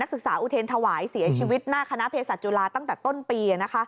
นักศึกษาอูเทนถวายเสียชีวิตหน้าคณะเพศจุฬาตั้งแต่ต้นปี